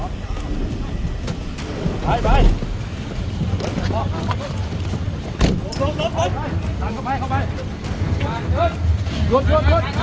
กล้าใกล้สี่ตก